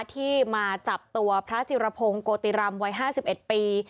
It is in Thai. ที่มาจับตัวพระจิรพงศ์โกติรำวัย๕๑ปี